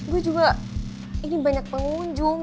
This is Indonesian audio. gue juga ini banyak pengunjung